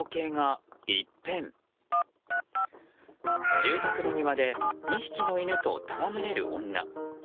住宅の庭で２匹の犬と戯れる女。